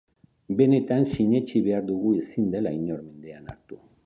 Benetan sinetsi behar dugu ezin dela inor mendean hartu.